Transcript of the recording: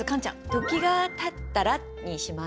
「時がたったら」にします。